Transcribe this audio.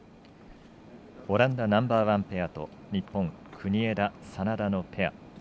オランダナンバーワンペアと日本、国枝、眞田のペア。